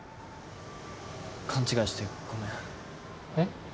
勘違いしてごめんえっ？